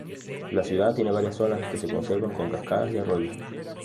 La ciudad tiene varias zonas que se conservan con cascadas y arroyos.